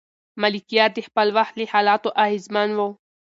ملکیار د خپل وخت له حالاتو اغېزمن و.